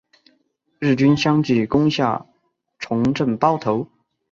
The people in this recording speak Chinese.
日军相继攻下重镇包头。